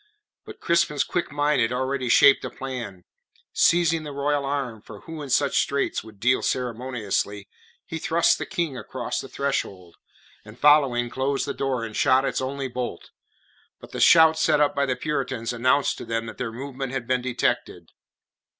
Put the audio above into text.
But Crispin's quick mind had already shaped a plan. Seizing the royal arm for who in such straits would deal ceremoniously? he thrust the King across the threshold, and, following, closed the door and shot its only bolt. But the shout set up by the Puritans announced to them that their movement had been detected.